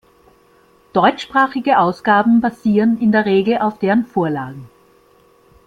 Deutschsprachige Ausgaben basieren in der Regel auf deren Vorlagen.